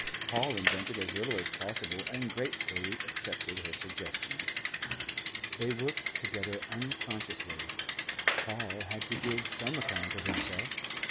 Paul invented as little as possible and gratefully accepted her suggestions. They worked together unconsciously. Paul had to give some account of himself.